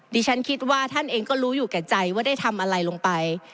ดิฉันคิดว่าท่านเองก็รู้อยู่แก่ใจว่าได้ทำอะไรลงไป